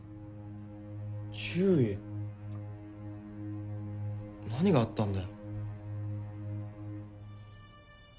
中尉何があったんだよ